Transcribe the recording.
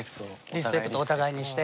リスペクトお互いにして。